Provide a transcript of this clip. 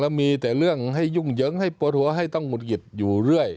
แล้วมีแต่เรื่องให้ยุ่งเหยิงให้ปวดหัวให้ต้องหุดหงิดอยู่เรื่อย